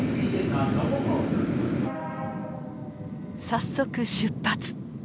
早速出発！